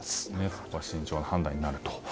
そこは慎重な判断になると。